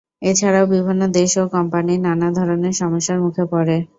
এ ছাড়াও বিভিন্ন দেশ ও কোম্পানি নানা ধরনের সমস্যার মুখে পরে।